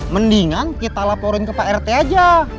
mendingan kita laporin ke pak rt aja